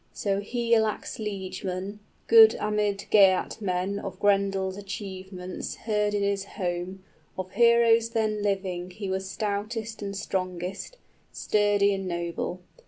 So Higelac's liegeman, Good amid Geatmen, of Grendel's achievements Heard in his home: of heroes then living He was stoutest and strongest, sturdy and noble.